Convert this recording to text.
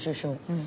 うん。